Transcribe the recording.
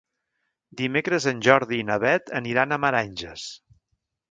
Dimecres en Jordi i na Beth aniran a Meranges.